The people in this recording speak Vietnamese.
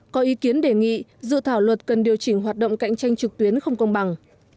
có ý kiến đề nghị dự thảo luật cần điều chỉnh hoạt động cạnh tranh trực tuyến không công bằng